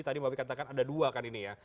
tadi mbak wi katakan ada dua kan ini ya